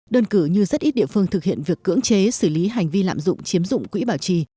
đơn cử như rất ít địa phương thực hiện việc cưỡng chế xử lý hành vi lạm dụng chiếm dụng quỹ bảo trì